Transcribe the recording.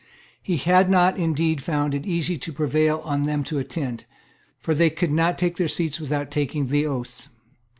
He had not indeed found it easy to prevail on them to attend: for they could not take their seats without taking the oaths.